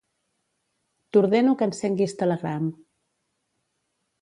T'ordeno que encenguis Telegram.